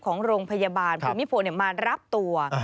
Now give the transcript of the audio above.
ของโรงพยาบาลคุณมิโภคมารับตัว